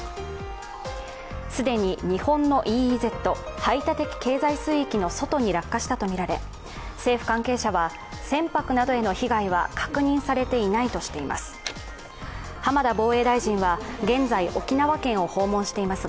既に日本のＥＥＺ＝排他的経済水域の外に落下したとみられ、政府関係者は船舶などへの被害は確認されていないとしています。